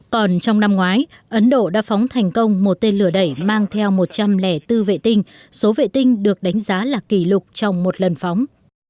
còn trong năm ngoái ấn độ đã phóng thành công một tên lửa đẩy mang theo một trăm linh bốn vệ tinh số vệ tinh được đánh giá là kỷ lục trong một lần phóng